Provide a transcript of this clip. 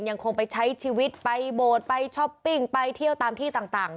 ยังคงไปใช้ชีวิตไปโบสถ์ไปช้อปปิ้งไปเที่ยวตามที่ต่าง